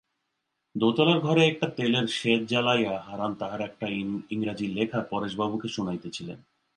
দোতলার ঘরে একটা তেলের শেজ জ্বালাইয়া হারান তাহার একটা ইংরেজি লেখা পরেশবাবুকে শুনাইতেছিলেন।